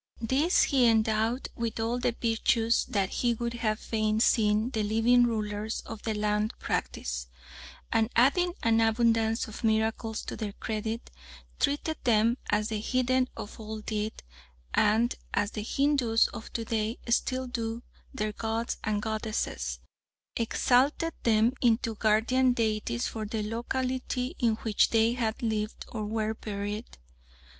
These he endowed with all the virtues that he would have fain seen the living rulers of the land practise, and adding an abundance of miracles to their credit, treated them as the heathen of old did, and as the Hindoos of to day still do their gods and goddesses, exalted them into guardian deities for the locality in which they had lived or were buried.